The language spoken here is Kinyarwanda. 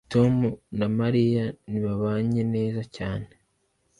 Tom na Mariya ntibabanye neza cyane.